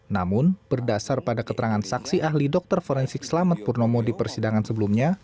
namun berdasar pada keterangan saksi ahli dokter forensik selamat purnomo di persidangan sebelumnya